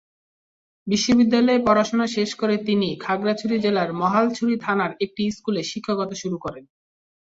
বিশ্ববিদ্যালয়ের পড়াশোনা শেষ করে তিনি খাগড়াছড়ি জেলার মহালছড়ি থানার একটি স্কুলে শিক্ষকতা শুরু করেন।